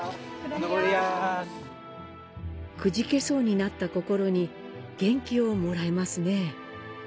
くじけそうになった心に元気をもらえますね。